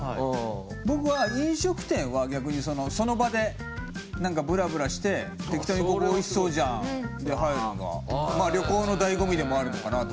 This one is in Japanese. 僕は飲食店は逆にその場でなんかブラブラして適当に「ここおいしそうじゃん」で入るのが旅行の醍醐味でもあるのかなと思って。